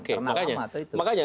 karena lama itu